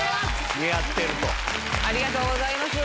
ありがとうございます！